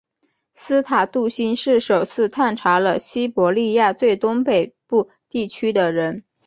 斯塔杜欣是首次探查了西伯利亚最东北部地区的人。